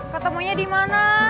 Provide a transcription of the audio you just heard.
ketemunya di mana